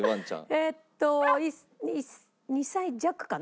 えーっと２歳弱かな？